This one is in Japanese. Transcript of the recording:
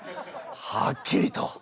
はっきりと。